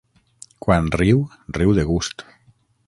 Quan riu, riu de gust.